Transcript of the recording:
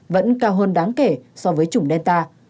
vẫn cao hơn đáng kể so với chủng delta